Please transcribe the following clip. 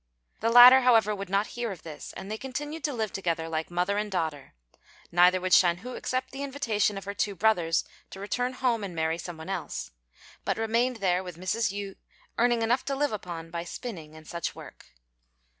The latter, however, would not hear of this, and they continued to live together like mother and daughter; neither would Shan hu accept the invitation of her two brothers to return home and marry some one else, but remained there with Mrs. Yü, earning enough to live upon by spinning and such work.